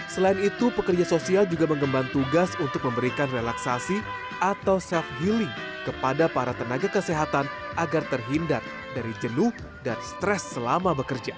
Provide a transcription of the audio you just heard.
selain itu pekerja sosial juga mengembang tugas untuk memberikan relaksasi atau self healing kepada para tenaga kesehatan agar terhindar dari jenuh dan stres selama bekerja